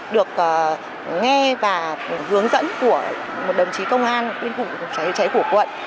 được nghe và hướng dẫn của một đồng chí công an quyên khủng phòng cháy chữa cháy của quận